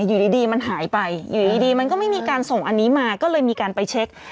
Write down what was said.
อยู่ดีมันหายไปอยู่ดีมันก็ไม่มีการส่งอันนี้มาก็เลยมีการไปเช็ค